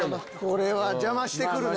これは邪魔してくるね。